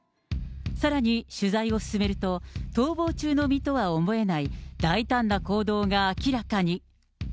さらに、取材を進めると、逃亡中の身とは思えない大胆な行動が明らかに。